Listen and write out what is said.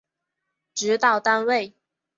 指导单位